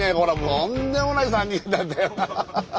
とんでもない３人なんだよな。